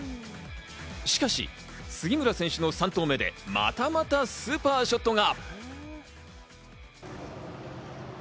しかし杉村選手の３投目でまたまたスーパーショットが。